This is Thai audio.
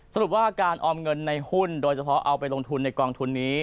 สรุปว่าการออมเงินในหุ้นโดยเฉพาะเอาไปลงทุนในกองทุนนี้